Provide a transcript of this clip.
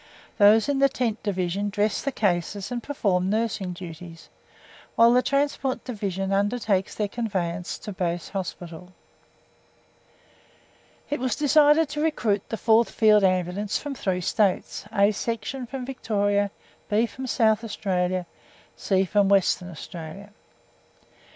Those in the Tent Division dress the cases and perform nursing duties, while the Transport Division undertakes their conveyance to Base Hospital. It was decided to recruit the Fourth Field Ambulance from three States, A Section from Victoria, B from South Australia, C from Western Australia.